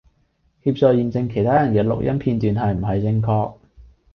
協助驗證其他人既錄音片段係唔係正確